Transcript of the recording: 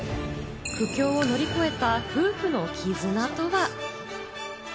苦境を乗り越えた夫婦のきずなとは？